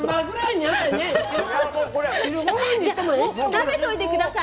食べておいてください。